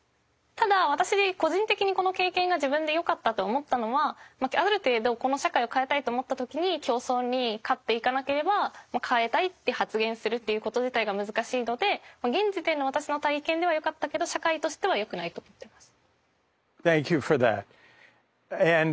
ただ私個人的にこの経験が自分で良かったと思ったのはある程度この社会を変えたいと思った時に競争に勝っていかなければ変えたいって発言するっていうこと自体が難しいので現時点での私の体験では良かったけど社会としては良くないと思っています。